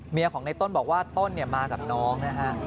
เมียของในโต้นบอกว่าโต้นมากับน้องนะคะ